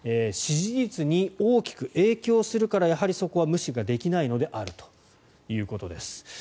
支持率に大きく影響するからそこは無視できないのであるということです。